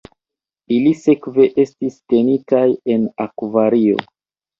Ili sekve estis tenitaj en akvario.